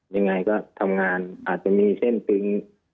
ยังไงก็ทำงานอาจจะมีเส้นตึง